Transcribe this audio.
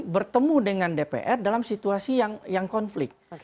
bertemu dengan dpr dalam situasi yang konflik